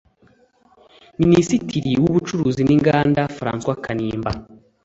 Minisitiri w’ubucuruzi n’inganda Francois Kanimba